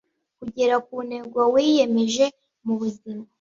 kugera ku ntego wiyemeje mu buzima